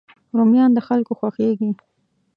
رومیان د خلکو خوښېږي